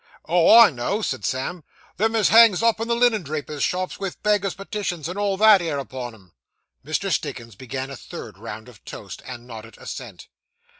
'Oh, I know,' said Sam; 'them as hangs up in the linen drapers' shops, with beggars' petitions and all that 'ere upon 'em?' Mr. Stiggins began a third round of toast, and nodded assent.